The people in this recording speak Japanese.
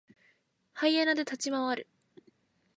ハイエナで立ち回る。